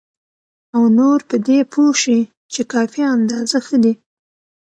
او نور په دې پوه شي چې کافي اندازه ښه دي.